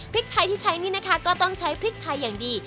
พริกไทยที่ใช้นี่นะคะก็ต้องใช้พริกไทยอย่างดี